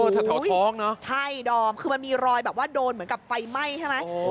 แถวท้องเนอะใช่ดอมคือมันมีรอยแบบว่าโดนเหมือนกับไฟไหม้ใช่ไหม